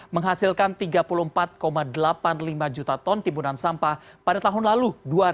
menghasilkan tiga puluh empat delapan puluh lima juta ton timbunan sampah pada tahun lalu dua ribu dua puluh